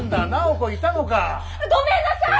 ごめんなさい！